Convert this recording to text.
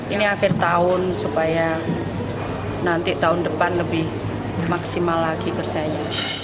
ini akhir tahun supaya nanti tahun depan lebih maksimal lagi kerjanya